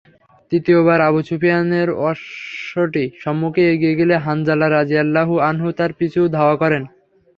তৃতীয়বার আবু সুফিয়ানের অশ্বটি সম্মুখে এগিয়ে গেলে হানজালা রাযিয়াল্লাহু আনহু তার পিছু ধাওয়া করেন।